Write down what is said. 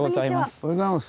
おはようございます。